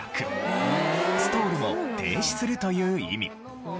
ストールの「停止する」という意味。